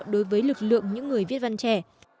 đối với lực lượng những người viết văn trẻ